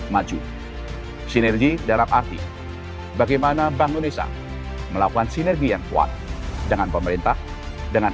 maju sinergi dalam arti bagaimana bank indonesia melakukan sinergi yang kuat dengan pemerintah dengan